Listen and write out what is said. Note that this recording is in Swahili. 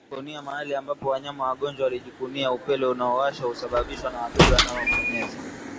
kujikunia mahali ambapo wanyama wagonjwa walijikunia Upele unaowasha husababishwa na wadudu wanaopenyeza